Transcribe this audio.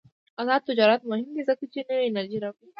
آزاد تجارت مهم دی ځکه چې نوې انرژي راوړي.